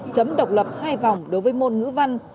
chấm độc lập hai vòng đối với môn ngữ văn